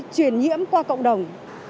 chuyển nhiễm qua cộng đồng